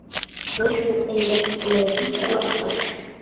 D acu ay la tettnadi swawsa?